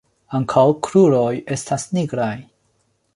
Ankaŭ kruroj estas nigraj.